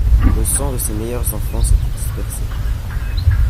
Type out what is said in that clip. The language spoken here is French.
Le sang de ses meilleurs enfants s'était dispersé.